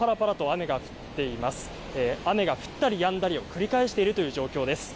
雨が降ったりやんだりを繰り返しているという状況です。